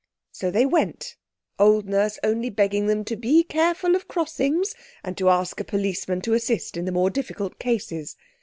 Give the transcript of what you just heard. So they went, old Nurse only begging them to be careful of crossings, and to ask a policeman to assist in the more difficult cases.